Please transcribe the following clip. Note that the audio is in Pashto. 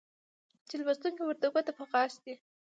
چې لوستونکى ورته ګوته په غاښ دى